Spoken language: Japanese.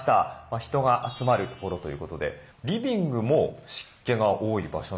人が集まる所ということでリビングも湿気が多い場所なんですか？